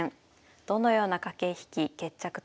どのような駆け引き決着となるのか。